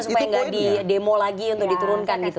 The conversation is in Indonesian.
supaya nggak di demo lagi untuk diturunkan gitu